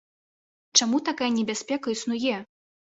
Чаму такая небяспека існуе?